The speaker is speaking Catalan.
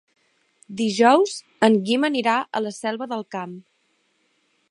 Dijous en Guim anirà a la Selva del Camp.